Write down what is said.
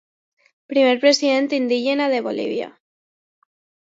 Primer president indígena de Bolívia.